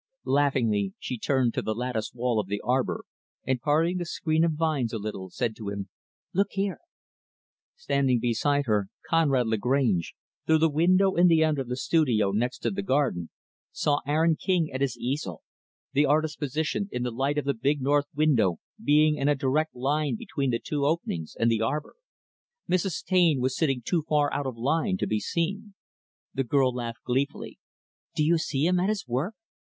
Laughingly, she turned to the lattice wall of the arbor, and parting the screen of vines a little, said to him, "Look here!" Standing beside her, Conrad Lagrange, through the window in the end of the studio next the garden, saw Aaron King at his easel; the artist's position in the light of the big, north window being in a direct line between the two openings and the arbor. Mrs. Taine was sitting too far out of line to be seen. The girl laughed gleefully. "Do you see him at his work?